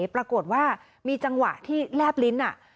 ปรากฏว่ามีจังหวะที่แลบลิ้น